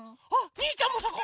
にーちゃんもそこ。